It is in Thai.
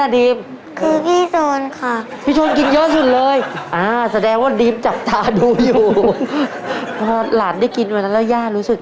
ดีมได้กินหมูกระทะมั้ยลูก